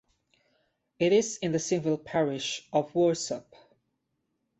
It is in the civil parish of Warsop.